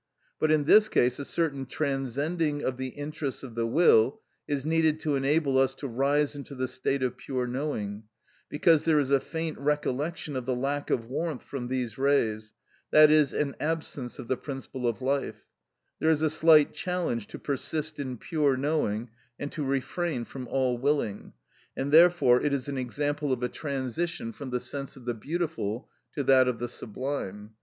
But, in this case, a certain transcending of the interests of the will is needed to enable us to rise into the state of pure knowing, because there is a faint recollection of the lack of warmth from these rays, that is, an absence of the principle of life; there is a slight challenge to persist in pure knowing, and to refrain from all willing, and therefore it is an example of a transition from the sense of the beautiful to that of the sublime.